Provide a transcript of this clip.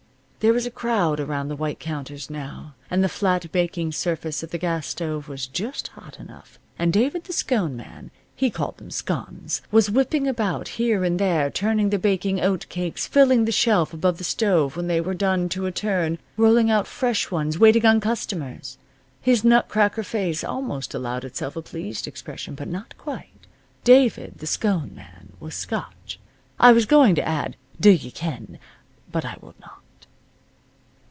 There was a crowd around the white counters now, and the flat baking surface of the gas stove was just hot enough, and David the Scone Man (he called them Scuns) was whipping about here and there, turning the baking oat cakes, filling the shelf above the stove when they were done to a turn, rolling out fresh ones, waiting on customers. His nut cracker face almost allowed itself a pleased expression but not quite. David, the Scone Man, was Scotch (I was going to add, d'ye ken, but I will not).